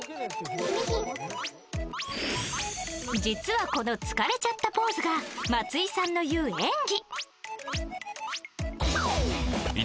実は、この疲れちゃったポーズが松井さんの言う演技。